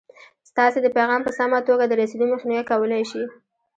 ستاسې د پیغام په سمه توګه د رسېدو مخنیوی کولای شي.